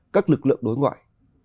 các lực lượng đối ngoại